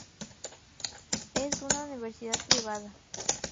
Es una universidad privada.